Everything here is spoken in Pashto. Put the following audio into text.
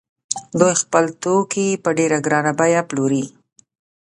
دوی خپل توکي په ډېره ګرانه بیه پلوري